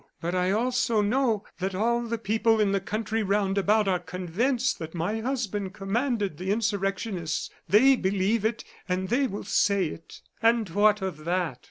But I also know that all the people in the country round about are convinced that my husband commanded the insurrectionists. They believe it, and they will say it." "And what of that?"